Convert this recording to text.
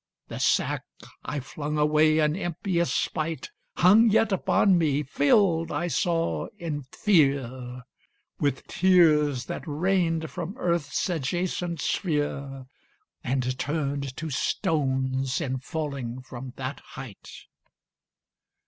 The sack I flung away in impious spite Hung yet upon me, filled, I saw in fear. With tears that rained from earth's adjacent sphere, And turned to stones in falling from that height.